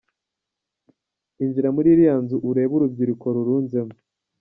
Injira muri iriya nzu urebe urubyiruko rurunzemo”.